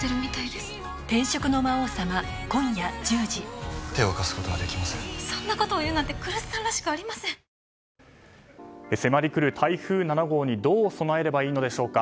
明治おいしい牛乳迫りくる台風７号にどう備えればいいのでしょうか。